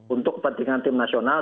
untuk kepentingan tim nasional